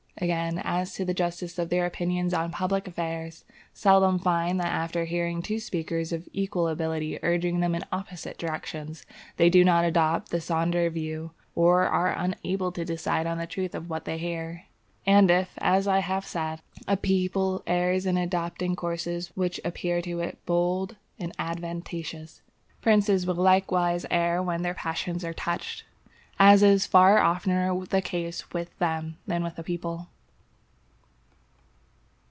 Again, as to the justice of their opinions on public affairs, seldom find that after hearing two speakers of equal ability urging them in opposite directions, they do not adopt the sounder view, or are unable to decide on the truth of what they hear. And if, as I have said, a people errs in adopting courses which appear to it bold and advantageous, princes will likewise err when their passions are touched, as is far oftener the case with them than with a people.